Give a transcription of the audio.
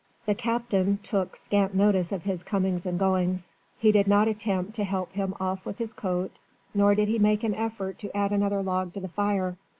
"The Captain" took scant notice of his comings and goings. He did not attempt to help him off with his coat, nor did he make an effort to add another log to the fire.